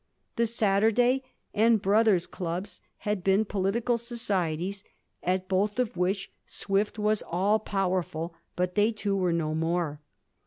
The * Saturday' and ^ Brothers ' Clubs had been political societies, at both of which Swift was aU powerful, but they, too, were no more.